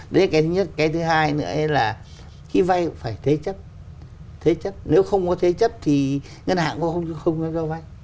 thế chấp nếu không có thế chấp thì ngân hàng cũng không cho vay